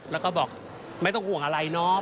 แล้วก็บอกไม่ต้องห่วงอะไรเนาะ